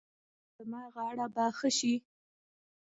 ایا زما غاړه به ښه شي؟